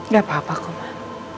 gak apa apa komar